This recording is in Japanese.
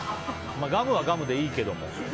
ガムはガムでいいけども。